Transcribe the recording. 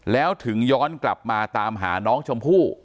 แล้วถึงย้อนกลับมาตามหาน้องชมพู่